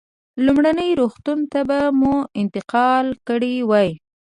لومړني روغتون ته به مو انتقال کړی وای.